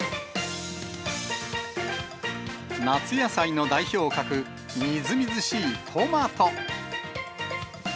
夏野菜の代表格、みずみずしいトマト。